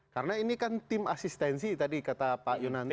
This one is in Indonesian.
karena ini kan tim asistensi tadi kata pak yunanto ya